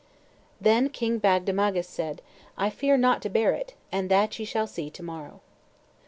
Then King Bagdemagus said, "I fear not to bear it, and that shall ye see to morrow."